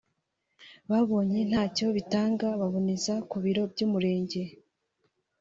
babonye ntacyo bitanga baboneza ku biro by’Umurenge